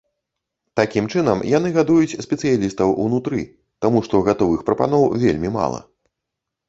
Такім чынам, яны гадуюць спецыялістаў унутры, таму што гатовых прапаноў вельмі мала.